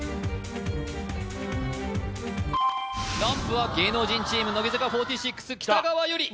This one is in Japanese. ランプは芸能人チーム乃木坂４６北川悠理